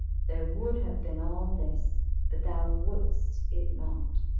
There would have been all this but thou wouldest it not.